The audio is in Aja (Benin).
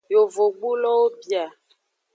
Yovogbulowo bia.